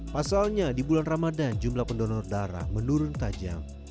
pasalnya di bulan ramadan jumlah pendonor darah menurun tajam